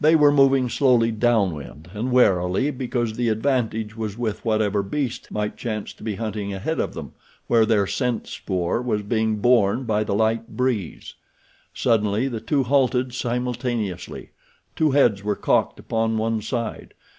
They were moving slowly down wind, and warily because the advantage was with whatever beast might chance to be hunting ahead of them, where their scent spoor was being borne by the light breeze. Suddenly the two halted simultaneously. Two heads were cocked upon one side.